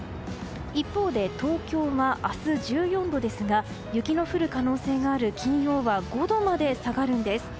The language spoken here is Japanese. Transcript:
一方で東京は明日１４度ですが雪の降る可能性がある金曜は５度まで下がるんです。